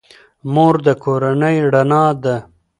مور د کورنۍ رڼا ده.